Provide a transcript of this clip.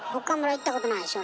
行ったことないでしょ？